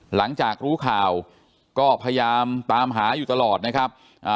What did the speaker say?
หลังจากรู้ข่าวก็พยายามตามหาอยู่ตลอดนะครับ